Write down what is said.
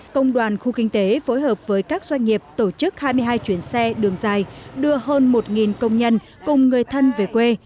công đoàn khu kinh tế phối hợp với các doanh nghiệp tổ chức hai mươi hai chuyến xe đường dài đưa hơn một công nhân cùng người thân về quê